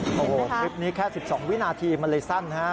โอ้โหคลิปนี้แค่๑๒วินาทีมันเลยสั้นฮะ